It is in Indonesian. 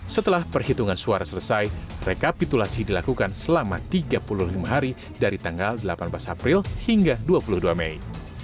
setelah perhitungan suara selesai rekapitulasi dilakukan selama tiga puluh lima hari dari tanggal delapan belas april hingga dua puluh dua mei